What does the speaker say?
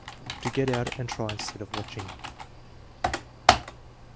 "To get out and try instead of matching.'